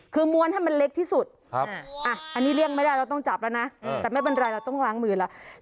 คือม้วนให้มันเล็กที่สุดอันนี้เลี่ยงไม่ได้เราต้องจับแล้วนะแต่ไม่เป็นไรเราต้องล้างมือแล้ว